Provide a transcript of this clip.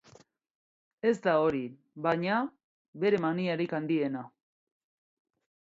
Ez da hori, baina, bere maniarik handiena.